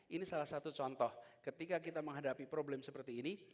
ini salah satu contoh ketika kita menghadapi problem seperti ini